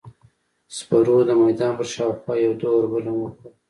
سپرو د میدان پر شاوخوا یو دور بل هم وخوړ.